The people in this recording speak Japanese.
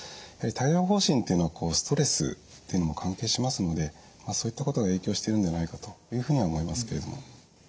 帯状ほう疹っていうのはストレスっていうのも関係しますのでそういったことが影響してるのではないかというふうに思いますけれども。